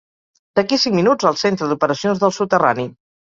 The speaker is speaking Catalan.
D'aquí cinc minuts al centre d'operacions del soterrani.